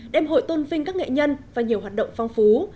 đêm hội tôn vinh các nghệ nhân và nhiều hoạt động phong phú